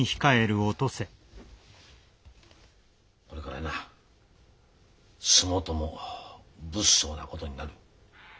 これからな洲本も物騒なことになる。